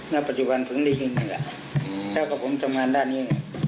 ณปัจจุบันแปีเท่านี้